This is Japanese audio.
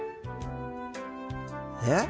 えっ？